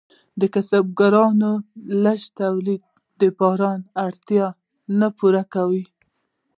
د کسبګرانو لږ تولید د بازار اړتیا نه پوره کوله.